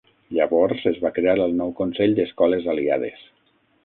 Llavors es va crear el nou Consell d'Escoles Aliades.